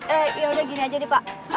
eh yaudah gini aja nih pak